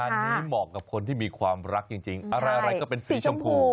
อันนี้เหมาะกับคนที่มีความรักจริงอะไรก็เป็นสีชมพู